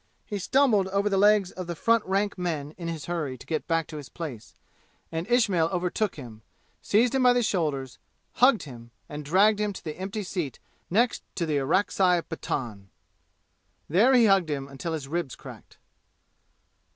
He stumbled over the legs of the front rank men in his hurry to get back to his place, and Ismail overtook him, seized him by the shoulders, hugged him, and dragged him to the empty seat next to the Orakzai Pathan. There he hugged him until his ribs cracked.